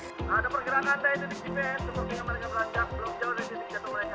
sepertinya mereka berlanjak belum jauh dari titik jatuh mereka